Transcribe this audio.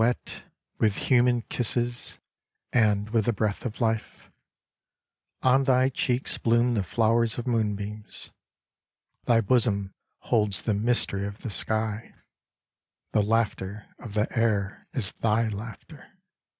f2 Hofnekotoba With human kisses and with the breath of life ; On thy cheeks bloom the flowers of moonbeams ; Thy bosom holds the mystery of the sky ; The laughter of the air is thy laughter.